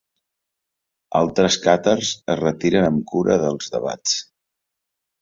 Altres càtars es retiren amb cura dels debats.